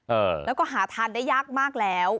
เออแล้วก็หาทานได้ยากมากแล้ว